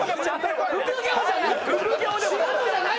副業じゃない！